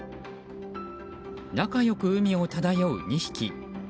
仲良く海を漂う２匹。